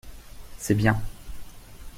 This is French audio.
C’est bien.